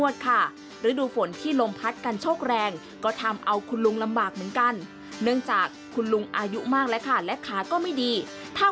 ธรรมดาไม่เคยซื้อถึงแค่นี้นะ